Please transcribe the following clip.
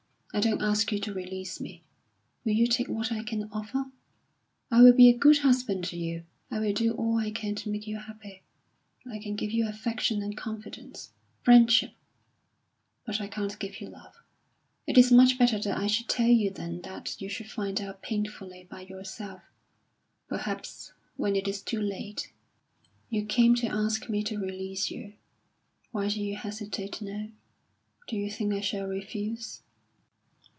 I don't ask you to release me. Will you take what I can offer? I will be a good husband to you. I will do all I can to make you happy. I can give you affection and confidence friendship; but I can't give you love. It is much better that I should tell you than that you should find out painfully by yourself perhaps when it is too late." "You came to ask me to release you. Why do you hesitate now? Do you think I shall refuse?"